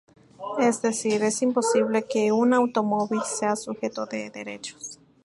Es decir, es imposible que un automóvil sea sujeto de derechos.